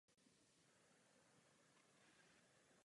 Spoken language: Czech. Do hudebního světa se Sean dostává v osmi letech na albu své matky.